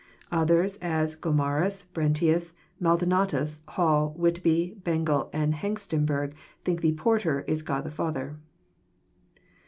Others, as Gomarus, Brentius, Maldonatus, Hall, Whitby, Bengel, and Hengstenburg, think the "porter" is God the Father.